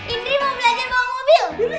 indri mau belajar bawa mobil